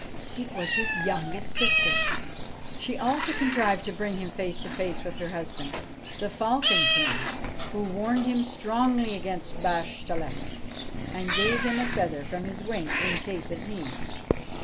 It was his youngest sister. She also contrived to bring him face to face with her husband, the Falcon King, who warned him strongly against Bashtchelik, and gave him a feather from his wing in case of need.